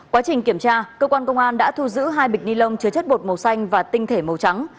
quá trình kiểm tra cơ quan công an đã thu giữ hai bịch ni lông chứa chất bột màu xanh và tinh thể màu trắng